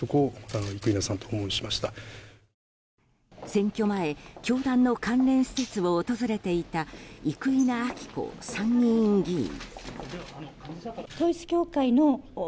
選挙前教団の関連施設を訪れていた生稲晃子参議院議員。